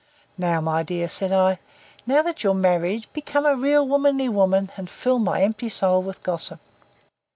"Now, my dear," said I. "Now that you're married, become a real womanly woman and fill my empty soul with gossip."